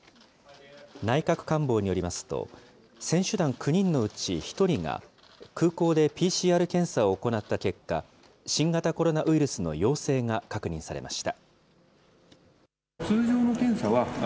内閣官房によりますと、選手団９人のうち１人が、空港でＰＣＲ検査を行った結果、新型コロナウイルスの陽性が確認されました。